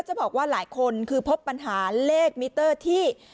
จะบอกว่าหลายคนคือพบปัญหาเลขมิเตอร์ที่